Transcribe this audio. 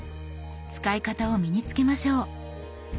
使い方を身に付けましょう。